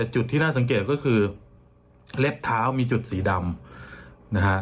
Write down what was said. จุดที่น่าสังเกตก็คือเล็บเท้ามีจุดสีดำนะฮะ